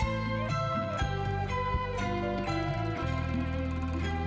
tetapi kamu dan rumahku